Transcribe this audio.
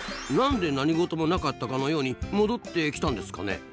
何で何事もなかったかのように戻ってきたんですかね？